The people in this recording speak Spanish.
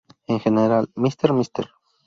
En general, "Mr.Mr.